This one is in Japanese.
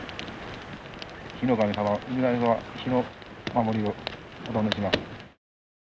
火の神様氏神様火の守りをお頼みします。